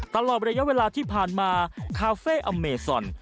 ตลอดระยะเวลาที่ผ่านมาคาเฟ่อเมซอน